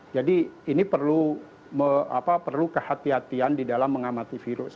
jadi ini perlu kehati hatian di dalam mengamati virus